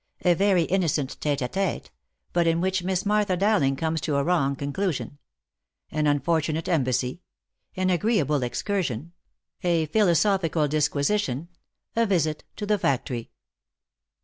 A VERY INNOCENT TETE A TETE, BUT IN WHICH MISS MARTHA DOWLING COMES TO A WRONG CONCLUSION AN UNFORTUNATE EMBASSY AN AGREEABLE EXCURSION A PHILOSOPHICAL DIS QUISITION A VISIT TO THE FACTORY.